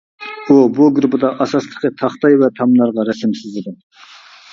ئۇ بۇ گۇرۇپپىدا ئاساسلىقى تاختاي ۋە تاملارغا رەسىم سىزىدۇ.